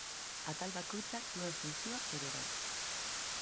Atal bakoitzak duen funtzioa ere bai.